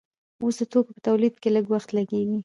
اوس د توکو په تولید لږ وخت لګیږي.